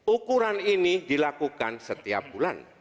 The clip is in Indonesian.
ukuran ini dilakukan setiap bulan